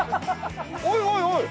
おいおいおい！